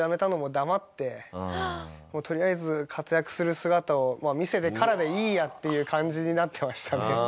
とりあえず活躍する姿を見せてからでいいやっていう感じになってましたね。